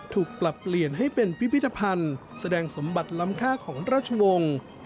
ถูกปรับเปลี่ยนให้เป็นพิพิธภัณฑ์แสดงสมบัติล้ำค่าของราชวงศ์